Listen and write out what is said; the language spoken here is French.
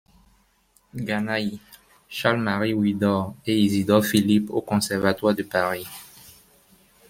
Ganaye, Charles-Marie Widor et Isidor Philipp au Conservatoire de Paris.